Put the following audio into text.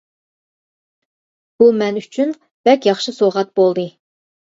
»، «بۇ مەن ئۈچۈن بەڭ ياخشى سوۋغات بولدى.